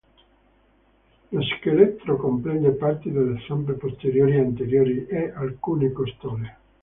Lo scheletro comprende parti delle zampe posteriori e anteriori, e alcune costole.